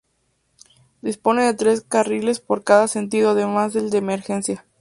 Dispone de tres carriles por cada sentido, además del de emergencia.